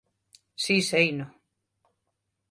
Si, seino.